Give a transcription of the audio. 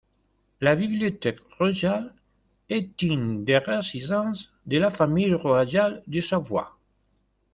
La bibliothèque royale est une des résidences de la famille royale de Savoie.